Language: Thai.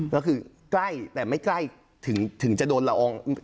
ก็คือใกล้แต่ไม่ใกล้ถึงจะโดนละออง